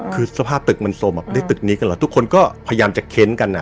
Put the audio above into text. คือสภาพตึกมันสมได้ตึกนี้กันเหรอทุกคนก็พยายามจะเค้นกันอ่ะ